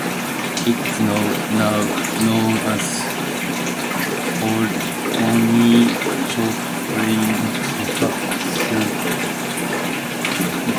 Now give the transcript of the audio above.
It is now known as "Onychoprion fuscatus".